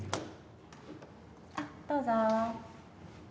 どうぞ。